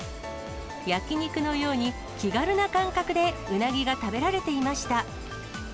焼き肉のように気軽な感覚でうなぎが食べられていました。